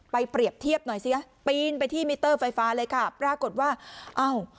เปรียบเทียบหน่อยสิฮะปีนไปที่มิเตอร์ไฟฟ้าเลยค่ะปรากฏว่าเอ้า